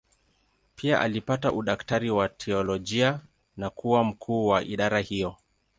Pia alipata udaktari wa teolojia na kuwa mkuu wa idara hiyo.